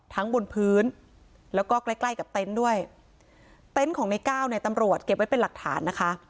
บนพื้นแล้วก็ใกล้ใกล้กับเต็นต์ด้วยเต็นต์ของในก้าวเนี่ยตำรวจเก็บไว้เป็นหลักฐานนะคะ